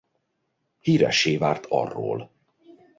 Híressé vált arról.